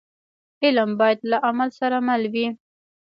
علم باید له عمل سره مل وي.